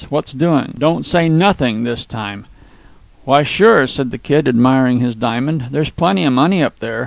What's doing? Don't say 'nothing' this time." "Why, sure," said the Kid, admiring his diamond, "there's plenty of money up there.